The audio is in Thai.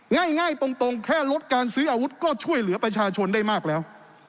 ง่ายตรงแค่ลดการซื้ออาวุธก็ช่วยเหลือประชาชนได้มากแล้ว